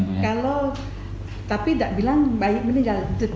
kalau tapi tidak bilang baik meninggal